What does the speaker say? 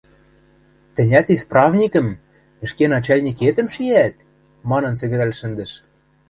– Тӹнят исправникӹм, ӹшке начальникетӹм, шиӓт?! – манын сӹгӹрӓл шӹндӹш.